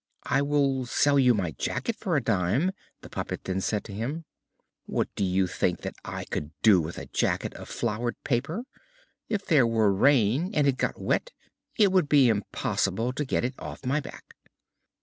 "I will sell you my jacket for a dime," the puppet then said to him. "What do you think that I could do with a jacket of flowered paper? If there were rain and it got wet, it would be impossible to get it off my back."